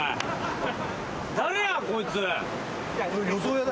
誰やこいつ。